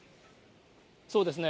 そうですね。